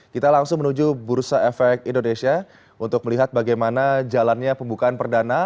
kita langsung menuju bursa efek indonesia untuk melihat bagaimana jalannya pembukaan perdana